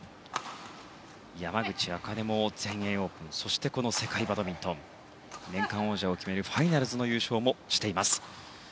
山口茜も全英オープンそして、この世界バドミントン年間王者を決めるファイナルズでも優勝しています。